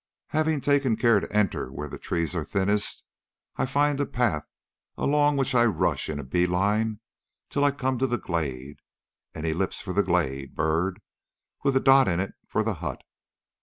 "Having taken care to enter where the trees are thinnest, I find a path along which I rush in a bee line till I come to the glade an ellipse for the glade, Byrd, with a dot in it for the hut.